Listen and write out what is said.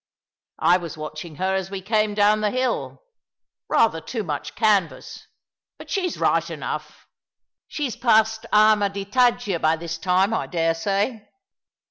I was watching her as we came down the hill; rather too much canvas; but she's right enough. She's past Arma di Taggia by this time, I dare say.